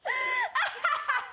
アハハハ！